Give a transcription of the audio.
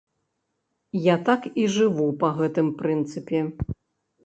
Я так і жыву, па гэтым прынцыпе.